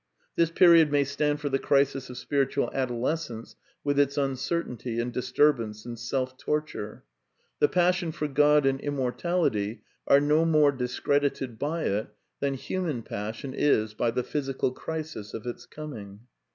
This period may stand for the crisis of spiritual adolescence with its uncertainty and disturbance and self torture. The passion for God and immortality are no more discredited by it than human passion is by the physical crisis of its coming.